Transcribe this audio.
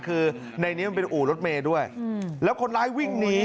คือในนี้มันเป็นอู่รถเมย์ด้วยแล้วคนร้ายวิ่งหนี